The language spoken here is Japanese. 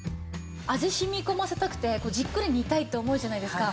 味染み込ませたくてじっくり煮たいって思うじゃないですか。